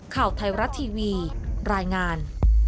ข่าวไทยรัฐทีวีรายงาน